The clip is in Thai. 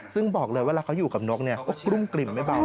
ซึ่งบอกเลยเวลาเขาอยู่กับนกเนี่ยก็กลุ้มกลิ่มไม่เบา